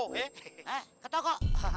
hah ke toko